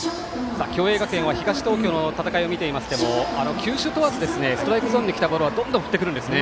共栄学園は東東京の戦いを見ていましても球種問わずストライクゾーンに来たボールはどんどん振ってくるんですね。